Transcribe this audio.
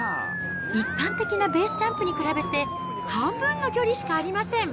一般的なベースジャンプに比べて、半分の距離しかありません。